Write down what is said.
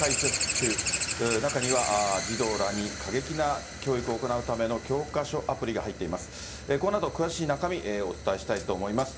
中には児童らに過激な教育を行うための教科書アプリが入っています。